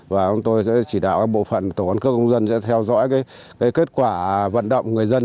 và chúng tôi sẽ chỉ đạo các bộ phận tổ quán cướp công dân sẽ theo dõi cái kết quả vận động người dân